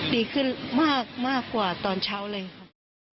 ดีขึ้นมากกว่าตอนเช้าเลยครับ